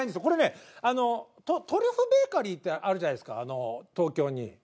これね「トリュフベーカリー」ってあるじゃないですか東京に。